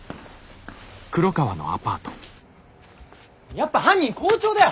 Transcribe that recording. やっぱ犯人校長だよ！